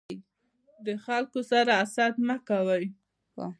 د خلکو سره حسد مه کوی.